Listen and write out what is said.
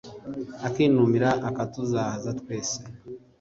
akigaramira ,akaduzahaza twese